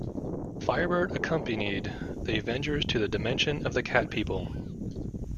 Firebird accompanied the Avengers to the dimension of the Cat People.